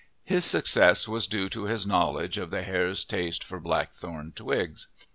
His success was due to his knowledge of the hare's taste for blackthorn twigs.